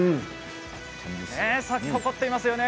咲き誇っていますよね。